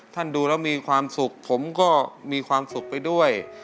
ดูแล้วมีความสุขผมก็มีความสุขไปด้วย